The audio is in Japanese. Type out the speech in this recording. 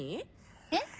えっ？